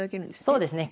そうですね。